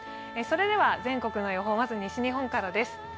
全国の予報、まず西日本からです。